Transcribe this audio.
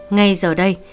ngay giờ đây